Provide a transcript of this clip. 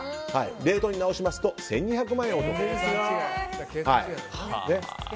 レートに直すと１２００万円お得と。